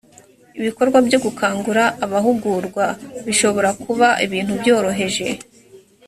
ibikorwa byo gukangura abahugurwa bishobora kuba ibintu byoroheje